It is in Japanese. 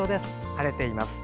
晴れています。